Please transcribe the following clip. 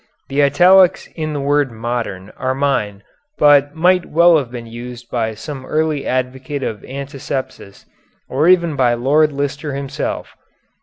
The italics in the word modern are mine, but might well have been used by some early advocate of antisepsis or even by Lord Lister himself.